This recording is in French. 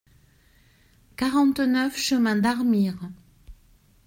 quarante-neuf chemin d'Armire